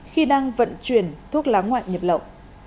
khi đang vận chuyển thuốc lá ngoại nhập lậu